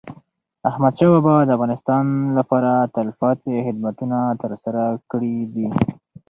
احمدشاه بابا د افغانستان لپاره تلپاتي خدمتونه ترسره کړي دي.